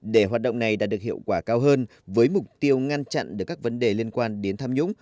để hoạt động này đạt được hiệu quả cao hơn với mục tiêu ngăn chặn được các vấn đề liên quan đến tham nhũng